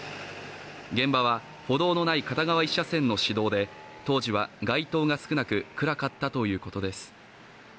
現場は歩道のない片側１車線の市道で、当時は街灯が少なく暗かったということです。